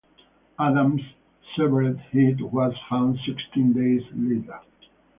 Adam's severed head was found sixteen days later.